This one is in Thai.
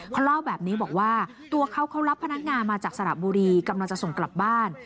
เขาเล่าแบบนี้บอกว่าตัวเขาเขารับพนักงานมาจากสระบุรีกำลังจะส่งกลับบ้าน